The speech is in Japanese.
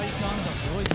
すごいな。